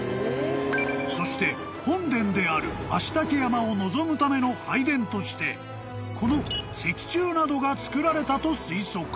［そして本殿である葦嶽山を望むための拝殿としてこの石柱などが造られたと推測］